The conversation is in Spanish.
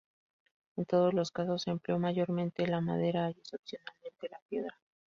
En todos los casos se empleó mayormente, la madera y excepcionalmente la piedra.